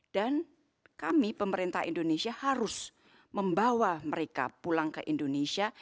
dan kami pemerintah indonesia harus membawa mereka pulang ke indonesia